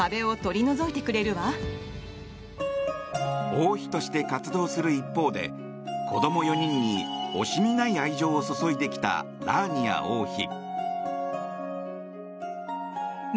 王妃として活動する一方で子供４人に惜しみない愛情を注いできたラーニア王妃。